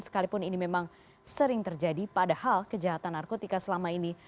sekalipun ini memang sering terjadi padahal kejahatan narkotika selama ini